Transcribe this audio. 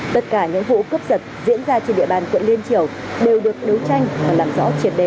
tất cả những vụ cướp giật diễn ra trên địa bàn quận liên triều đều được đấu tranh và làm rõ triệt đề